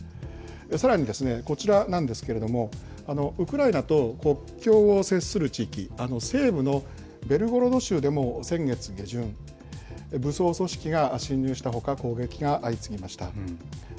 さらにですね、こちらなんですけれども、ウクライナと国境を接する地域、西部のベルゴロド州でも先月下旬、武装組織が侵入したほか、攻撃が相次ぎました。